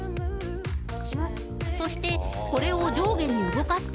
そして、これを上下に動かすと。